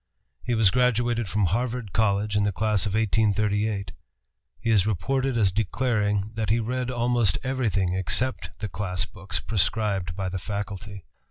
He was graduated from Harvard College in the class of 1838. He is reported as declaring that he read almost everything except the class books prescribed by the faculty.